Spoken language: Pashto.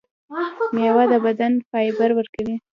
میوه بدن ته فایبر ورکوي